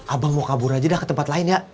abang mau kabur aja dah ke tempat lain ya